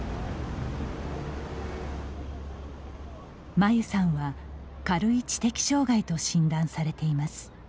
まゆさんは軽い知的障害と診断されています。